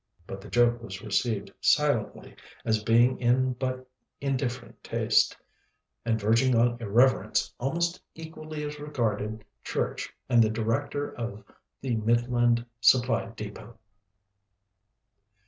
But the joke was received silently, as being in but indifferent taste, and verging on irreverence almost equally as regarded church and the Director of the Midland Supply Depôt.